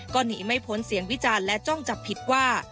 ก็หนีไม่พ้นเสียงวิจารณ์และจ้องจับผิดว่า